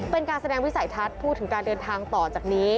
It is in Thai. เป็นการแสดงวิสัยทัศน์พูดถึงการเดินทางต่อจากนี้